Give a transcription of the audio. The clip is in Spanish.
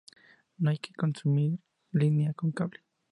No hay que confundir línea con cable.